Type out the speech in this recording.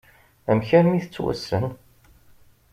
Amek armi tettwassen?